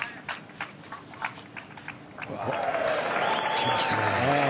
来ましたね。